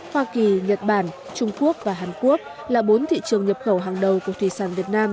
hoa kỳ nhật bản trung quốc và hàn quốc là bốn thị trường nhập khẩu hàng đầu của thủy sản việt nam